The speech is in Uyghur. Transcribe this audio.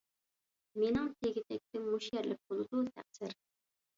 مېنىڭ تېگى - تەكتىم مۇشۇ يەرلىك بولىدۇ، تەقسىر.